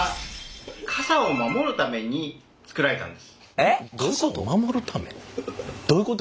えっ？どういうこと？